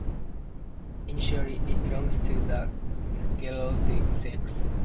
Initially it belonged to the Geroldsecks.